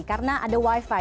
karena ada wifi